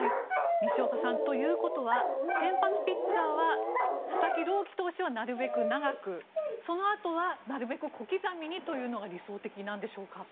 西岡さん、ということは先発ピッチャーは佐々木朗希投手はなるべく長くそのあとはなるべく小刻みにというのが理想的なんでしょうか。